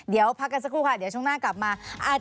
เดี๋ยวพักกันสักครู่ค่ะเดี๋ยวช่วงหน้ากลับมา